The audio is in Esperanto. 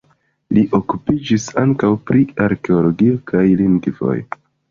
Li okupiĝis ankaŭ pri arkeologio kaj lingvoj.